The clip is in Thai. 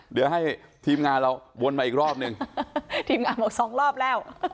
เดี๋ยวให้ทีมงานเราวนมาอีกรอบหนึ่งทีมงานบอกสองรอบแล้ว